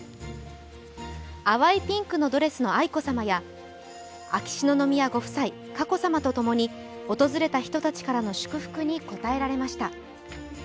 淡いピンクのドレスの愛子さまや秋篠宮ご夫妻、佳子さまと共に訪れた人たちからの祝福に応えられました。